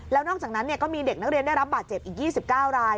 แล้วนอกจากนั้นก็มีเด็กนักเรียนได้รับบาดเจ็บอีก๒๙ราย